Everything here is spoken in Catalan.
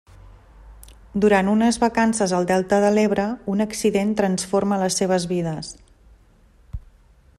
Durant unes vacances al Delta de l'Ebre, un accident transforma les seves vides.